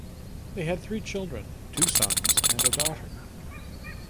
They had three children; two sons and a daughter.